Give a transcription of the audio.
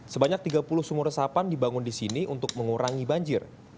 sebanyak tiga puluh sumur resapan dibangun di sini untuk mengurangi banjir